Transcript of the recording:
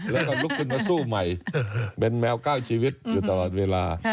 แล้วก็ลุกขึ้นมาสู้ใหม่เป็นแมวก้าวชีวิตอยู่ตลอดเวลา